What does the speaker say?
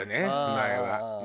前は。